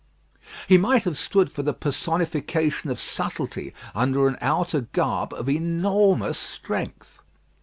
He might have stood for the personification of subtlety under an outer garb of enormous strength.